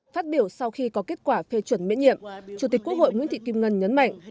phát biểu sau khi có kết quả phê chuẩn miễn nhiệm chủ tịch quốc hội nguyễn thị kim ngân nhấn mạnh